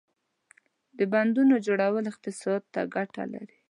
• د بندونو جوړول اقتصاد ته ګټه لري.